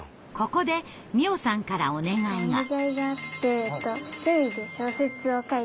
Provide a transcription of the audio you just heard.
ここで美音さんからお願いが。